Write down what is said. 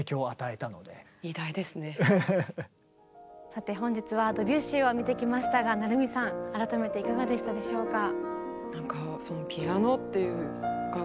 さて本日はドビュッシーを見てきましたが成海さん改めていかがでしたでしょうか？